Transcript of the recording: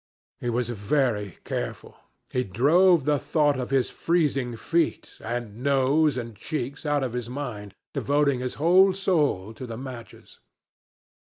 He was very careful. He drove the thought of his freezing feet; and nose, and cheeks, out of his mind, devoting his whole soul to the matches.